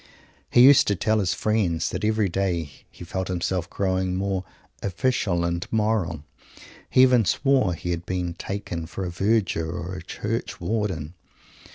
He used to tell his friends that every day he felt himself growing more "official" and "moral." He even swore he had been taken for a Verger or a Church warden.